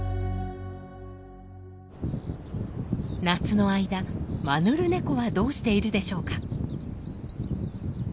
夏の間マヌルネコはどうしているでしょうか？